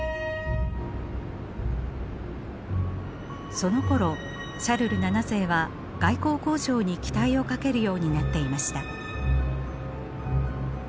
そのころシャルル七世は外交交渉に期待をかけるようになっていました。